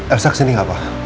eh usah kesini gak pak